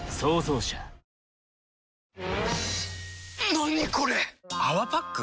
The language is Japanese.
何これ⁉「泡パック」？